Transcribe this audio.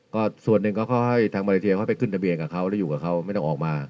ก็ส่วนหนึ่งก็ค่อยให้ทางมาเลเซียเขาไปขึ้นทะเบียนกับเขาแล้วอยู่กับเขาไม่ต้องออกมา